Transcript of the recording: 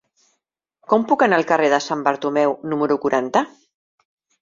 Com puc anar al carrer de Sant Bartomeu número quaranta?